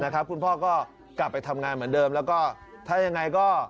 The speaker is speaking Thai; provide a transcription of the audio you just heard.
คุณพ่อก็กลับไปทำงานเหมือนเดิมแล้วก็ถ้ายังไงก็